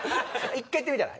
１回言ってみたら？